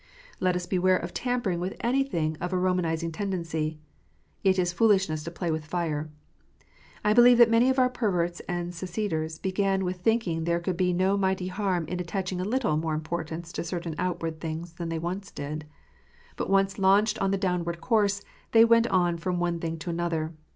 Let us beware of tampering with anything of a Romanizing tendency. It is foolishness to play with fire. I believe that many of our perverts and seceders began with thinking there coultl be no mighty harm in attaching a little more importance to certain outward things than they once did. But once launched on the downward course, they went on from one thing to another.